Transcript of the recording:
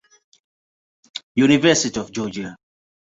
University of Georgia.